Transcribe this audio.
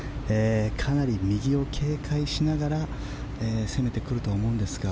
かなり右を警戒しながら攻めてくると思うんですが。